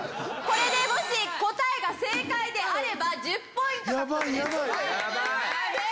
これでもし答えが正解であれば１０ポイント獲得です。